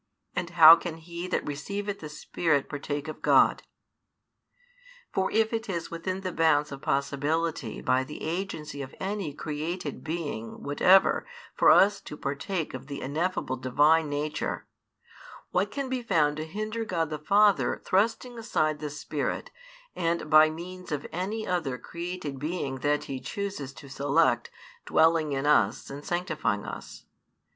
And how can he that receiveth the Spirit partake of God?" For if it is within the bounds of possibility by the agency of any created being whatever for us to partake of the ineffable Divine Nature, what can be found to hinder God the Father thrusting aside the Spirit and by means of any other created being that He chooses to select dwelling in us and sanctifying us?